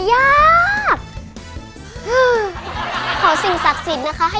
ยิ่งเสียใจ